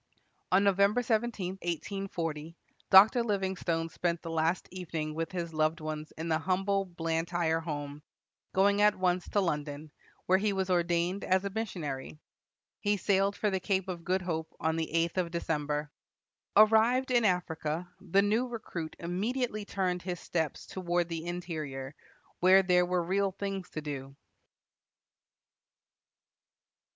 On Nov. 17, 1840, Dr. Livingstone spent the last evening with his loved ones in the humble Blantyre home, going at once to London, where he was ordained as a missionary. He sailed for the Cape of Good Hope on the eighth of December. Arrived in Africa, the new recruit immediately turned his steps toward the interior, where there were real things to do.